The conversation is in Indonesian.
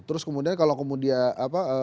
terus kemudian kalau kemudian apa